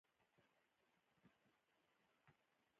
بوتل د اوبو د خرابېدو مخه نیسي.